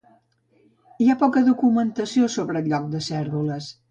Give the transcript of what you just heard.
Hi ha poca documentació sobre el lloc de Cérvoles.